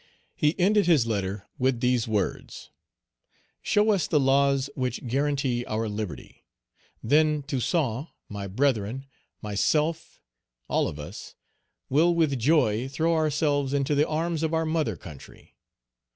He ended his letter with these words: "Show us the laws which guarantee our liberty, then Toussaint, my brethren, myself, all of us, will with joy throw ourselves into the arms of our mother country.